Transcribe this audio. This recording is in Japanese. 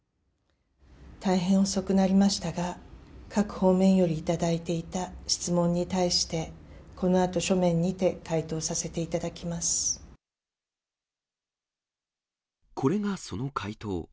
大変遅くなりましたが、各方面より頂いていた質問に対して、このあと書面にて回答させてこれがその回答。